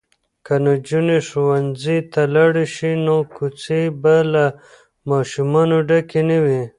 که نجونې ښوونځي ته لاړې شي نو کوڅې به له ماشومانو ډکې نه وي.